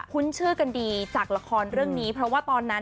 ุ้นชื่อกันดีจากละครเรื่องนี้เพราะว่าตอนนั้น